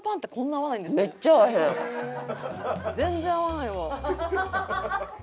全然合わないわ。